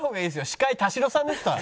司会田代さんですから。